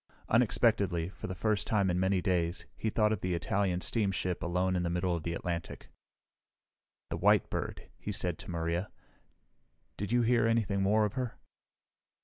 Unexpectedly, for the first time in many days, he thought of the Italian steamship alone in the middle of the Atlantic. "The White Bird," he said to Maria. "Did you hear anything more of her?"